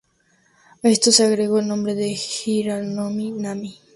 A estos se agregó el nombre de Girolamo Nanni.